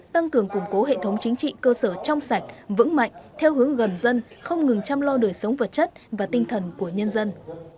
tăng cường củng cố hệ thống chính trị cơ sở trong sạch vững mạnh theo hướng gần dân không ngừng chăm lo đời sống vật chất và tinh thần của nhân dân